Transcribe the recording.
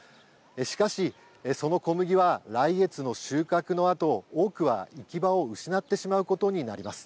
しかし、その小麦は来月の収穫のあと、多くは行き場を失ってしまうことになります。